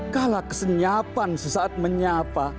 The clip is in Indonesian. kala kesenyapan sesaat menyapa